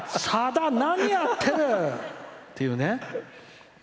さだ、何やってる！っていうね。